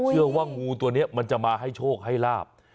เชื่อว่างูตัวนี้มันจะมาให้โชคให้ลาบ